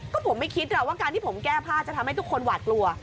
ก็ผมไม่คิดว่าการที่ผมแก้ผ้าจะทำให้ทุกคนหวาดกลัว